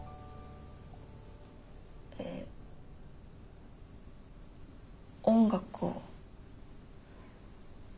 え音楽を。